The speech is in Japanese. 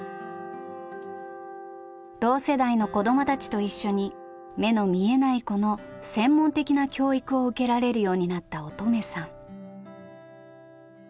同世代の子どもたちと一緒に目の見えない子の専門的な教育を受けられるようになった音十愛さん。